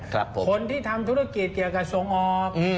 คนที่ทำธุรกิจเกี่ยวกับส่งออก